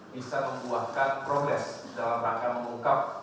bisa membuatkan progres dalam rangka mengungkap